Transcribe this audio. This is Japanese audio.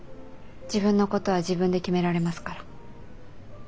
自分のことは自分で決められますから。